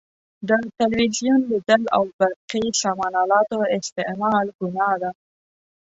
د تلویزیون لیدل او برقي سامان الاتو استعمال ګناه ده.